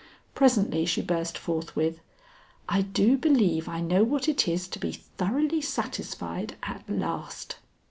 Presently she burst forth with "I do believe I know what it is to be thoroughly satisfied at last.